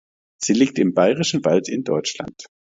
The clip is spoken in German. Sie liegt im Bayerischen Wald in Deutschland.